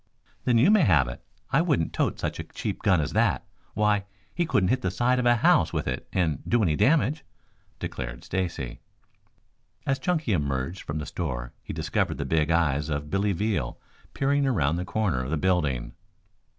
"Then you may have it. I wouldn't tote such a cheap gun as that. Why, he couldn't hit the side of a house with it and do any damage," declared Stacy. As Chunky emerged from the store he discovered the big eyes of Billy Veal peering around the corner of the building.